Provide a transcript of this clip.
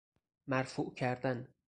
مرفوع کردن